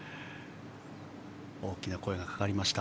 大きな声がかかりました。